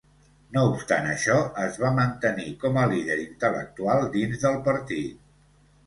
No obstant això, es va mantenir com a líder intel·lectual dins del Partit.